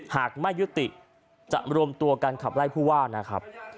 หากไม่ยุติจะรวมตัวกันขับไล่ผู้ว่านะครับ